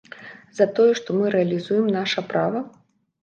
За тое, што мы рэалізуем наша права?